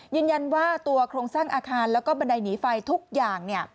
ยืนยันว่าตัวโครงสร้างอาคารแล้วก็บันไดหนีไฟทุกอย่าง